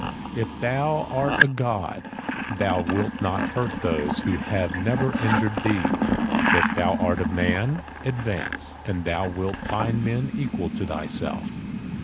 "If thou art a god, thou wilt not hurt those who have never injured thee; if thou art a man, advance:—and thou wilt find men equal to thyself."